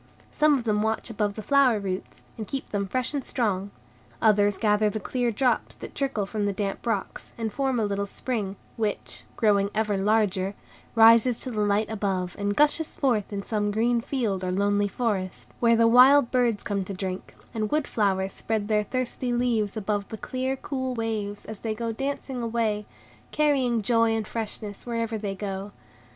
Some of them watch above the flower roots, and keep them fresh and strong; others gather the clear drops that trickle from the damp rocks, and form a little spring, which, growing ever larger, rises to the light above, and gushes forth in some green field or lonely forest; where the wild birds come to drink, and wood flowers spread their thirsty leaves above the clear, cool waves, as they go dancing away, carrying joy and freshness wherever they go.